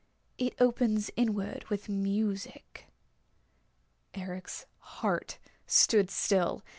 "It opens inward with music." Eric's heart stood still.